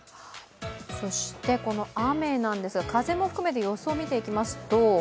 そして雨なんですが風も含めて予想を見ていきますと。